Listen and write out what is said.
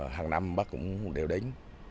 hàng năm bác cũng đều đến